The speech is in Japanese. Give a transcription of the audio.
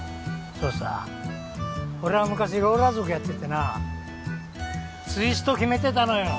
そうさ俺は昔ローラー族やっててなツイスト決めてたのよ。